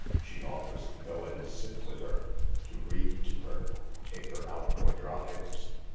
She offers to go and sit with her — to read to her — take her out for drives."